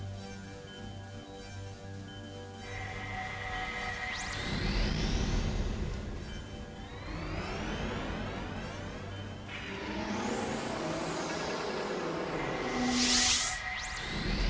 terima kasih pak haji